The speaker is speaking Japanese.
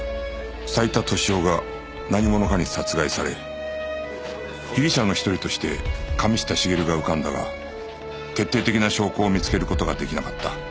斉田利夫が何者かに殺害され被疑者の一人として神下茂が浮かんだが決定的な証拠を見つける事ができなかった